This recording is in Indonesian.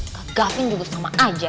kak gapin juga sama aja